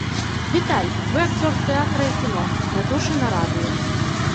Віталь, вы акцёр тэатра і кіно, вядучы на радыё.